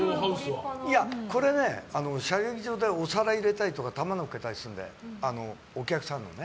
これね射撃場でお皿を入れたり弾をのっけたりするのでお客さんのね。